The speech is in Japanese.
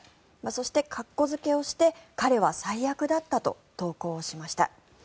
そして、括弧付けをして彼は最悪だったと投稿しました。